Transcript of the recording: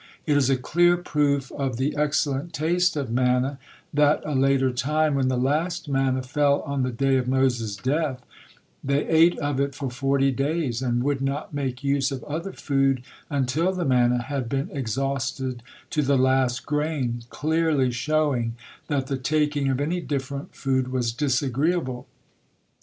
It is a clear proof of the excellent taste of manna that a later time, when the last manna fell on the day of Moses' death, they ate of it for forty days, and would not make use of other food until the manna had been exhausted to the last grain, clearly showing that the taking of any different food was disagreeable.